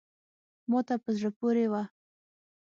ما ته په زړه پوري وه …